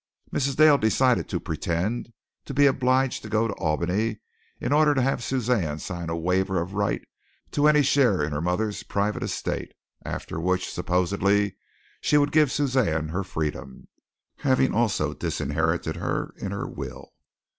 Mrs. Dale decided to pretend to be obliged to go to Albany in order to have Suzanne sign a waiver of right to any share in her mother's private estate, after which, supposedly, she would give Suzanne her freedom, having also disinherited her in her will.